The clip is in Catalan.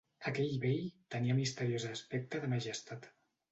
Aquell vell tenia misteriós aspecte de majestat